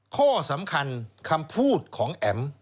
ข้อสำคัญคำพูดของแอ๋ม